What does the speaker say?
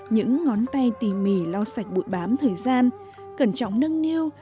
những ngón tay tỉ mỉ lau sạch bụi bám thời gian cẩn trọng nâng niu